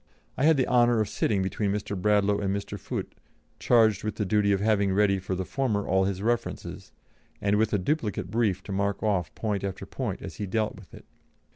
I had the honour of sitting between Mr. Bradlaugh and Mr. Foote, charged with the duty of having ready for the former all his references, and with a duplicate brief to mark off point after point as he dealt with it.